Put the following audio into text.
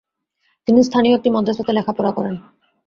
তিনি স্থানীয় একটি মাদ্রাসাতে লেখাপড়া করেন।